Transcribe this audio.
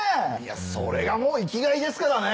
それがもう生きがいですからね。